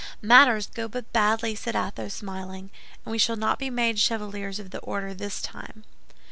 "Matters go but badly," said Athos, smiling; "and we shall not be made Chevaliers of the Order this time."